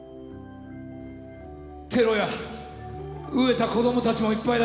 テロや飢えた子供たちもいっぱいだ。